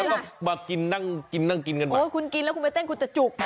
แล้วก็กินนั่งกินนั่งกินกันอ่ะโอ้ยคุณกินแล้วคุณไปเต้นกูจะจุกนะคะ